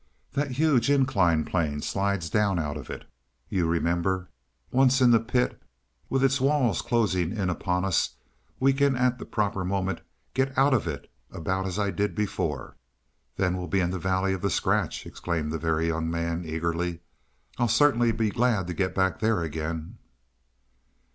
That huge inclined plane slides down out of it, you remember. Once in the pit, with its walls closing in upon us, we can at the proper moment get out of it about as I did before." "Then we'll be in the valley of the scratch," exclaimed the Very Young Man eagerly. "I'll certainly be glad to get back there again."